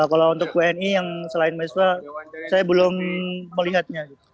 kalau untuk wni yang selain mahasiswa saya belum melihatnya